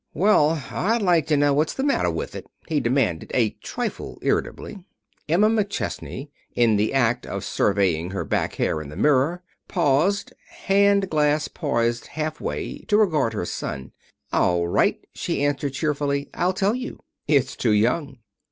"Well, I'd like to know what's the matter with it!" he demanded, a trifle irritably. Emma McChesney, in the act of surveying her back hair in the mirror, paused, hand glass poised half way, to regard her son. "All right," she answered cheerfully. "I'll tell you. It's too young."